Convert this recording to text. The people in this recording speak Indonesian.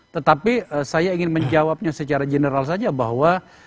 tetapi saya ingin menjawabnya secara general saja bahwa